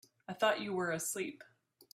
I thought you were asleep.